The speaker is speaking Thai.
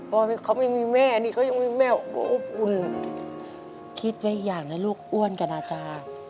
พอเขาไม่มีแม่นี่เขายังมีแม่อบอุ่นคิดไว้อย่างนะลูกอ้วนกับนาจา